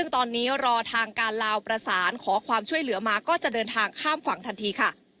ซึ่งตอนนี้รอทางการลาวประสานขอความช่วยเหลือมาก็จะเดินทางข้ามฝั่งทันทีค่ะ